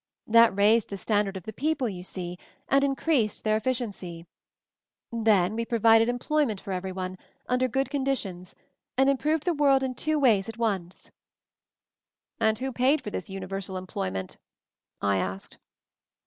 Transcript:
That raised the standard of the people, you see, and in creased their efficiency. Then we provided employment for everyone, under good con ditions, and improved the world in two ways at once." "And who paid for this universal employ ment?" I asked.